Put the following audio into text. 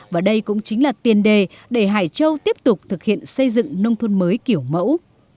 và đây cũng chính là tiền đề để hải châu tiếp tục thực hiện xây dựng nông thôn mới kiểu mẫu